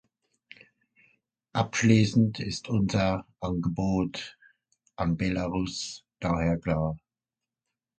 Abschließend ist unser Angebot an Belarus daher klar.